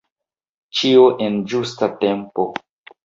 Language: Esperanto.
Ĉio en ĝusta tempo.